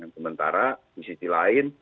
sementara di sisi lain